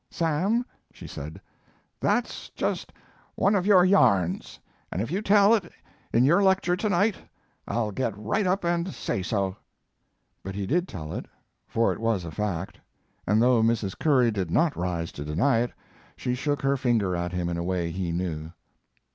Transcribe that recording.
"Sam," she said, "that's just one of your yarns, and if you tell it in your lecture to night I'll get right up and say so." But he did tell it, for it was a fact; and though Mrs. Curry did not rise to deny it she shook her finger at him in a way he knew.